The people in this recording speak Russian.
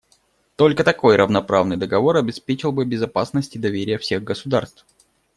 Только такой равноправный договор обеспечил бы безопасность и доверие всех государств.